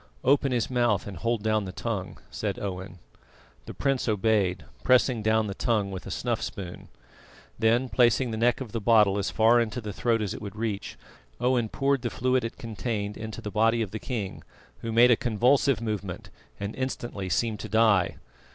"Open his mouth and hold down the tongue," said Owen. The prince obeyed, pressing down the tongue with a snuff spoon. Then placing the neck of the bottle as far into the throat as it would reach, Owen poured the fluid it contained into the body of the king, who made a convulsive movement and instantly seemed to die.